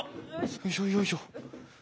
よいしょよいしょ。